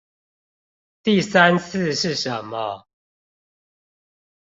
第三次是什麼